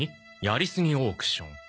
「やりすぎオークション」